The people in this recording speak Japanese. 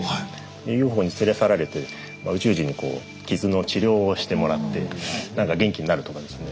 ＵＦＯに連れ去られて宇宙人に傷の治療をしてもらってなんか元気になるとかですね。